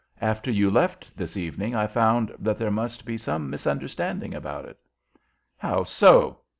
After you left this evening, I found that there must be some misunderstanding about it." "How so?"